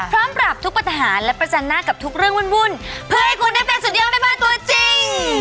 ปรับทุกปัญหาและประจันหน้ากับทุกเรื่องวุ่นเพื่อให้คุณได้เป็นสุดยอดแม่บ้านตัวจริง